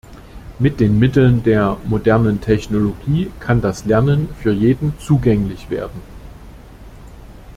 Mit den Mitteln der modernen Technologie kann das Lernen für jeden zugänglich werden.